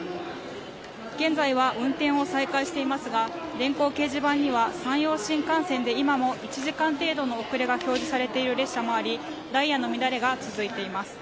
現在は運転を再開していますが電光掲示板には山陽新幹線で今も１時間程度の遅れが表示されている列車もありダイヤの乱れが続いています。